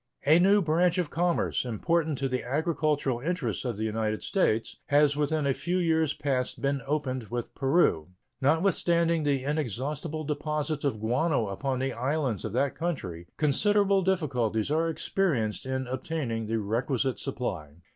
A new branch of commerce, important to the agricultural interests of the United States, has within a few years past been opened with Peru. Notwithstanding the inexhaustible deposits of guano upon the islands of that country, considerable difficulties are experienced in obtaining the requisite supply.